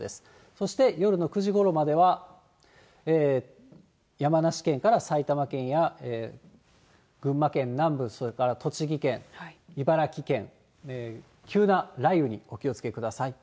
そして夜の９時ごろまでは山梨県から埼玉県や群馬県南部、それから栃木県、茨城県、急な雷雨にお気をつけください。